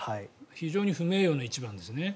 非常に不名誉な１番ですね。